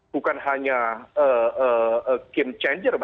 bukan hanya game changer